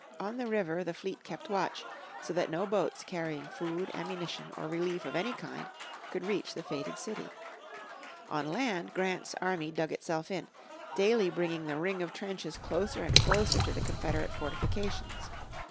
On the river the fleet kept watch, so that no boats carrying food, ammunition, or relief of any kind could reach the fated city. On land Grant's army dug itself in, daily bringing the ring of trenches closer and closer to the Confederate fortifications.